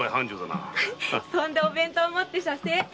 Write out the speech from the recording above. でお弁当持って写生。